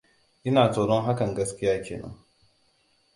Ina tsoron hakan gaskiya kenan.